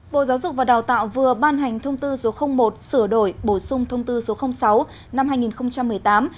bộ giáo dục và đào tạo vừa ban hành thông tư số một sửa đổi bổ sung thông tư số sáu năm hai nghìn một mươi tám